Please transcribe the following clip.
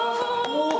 お！